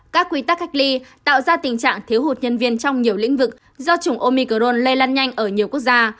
các quy tắc cách ly tạo ra tình trạng thiếu hụt nhân viên trong nhiều lĩnh vực do chủng omicron lây lan nhanh ở nhiều quốc gia